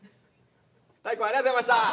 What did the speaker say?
大光ありがとうございました！